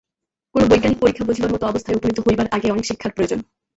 কোন বৈজ্ঞানিক পরীক্ষা বুঝিবার মত অবস্থায় উপনীত হইবার আগে অনেক শিক্ষার প্রয়োজন হয়।